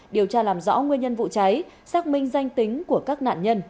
điều tra làm rõ nguyên nhân vụ cháy xác minh danh tính của các nạn nhân